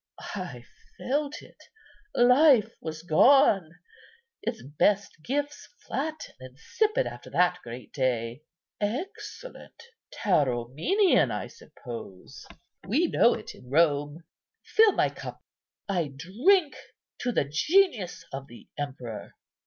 I felt it; life was gone; its best gifts flat and insipid after that great day. Excellent—Tauromenian, I suppose? We know it in Rome. Fill up my cup. I drink to the genius of the emperor."